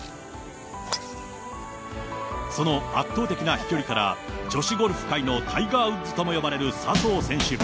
その圧倒的な飛距離から、女子ゴルフ界のタイガー・ウッズとも呼ばれる笹生選手。